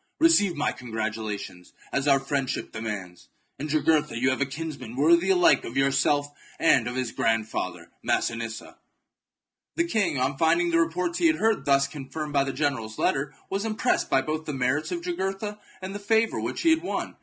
Receive my congratula tions, as our friendship demands. In Jugurtha you have a kinsman worthy alike of yourself and of his grandfather Massinissa." The king, on finding the reports he had heard thus confirmed by the general's letter, was impressed both by the merits of Jugurtha and the favour which he had won.